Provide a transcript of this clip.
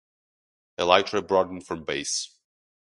Elytra broadened from base.